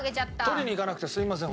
取りに行かなくてすいません。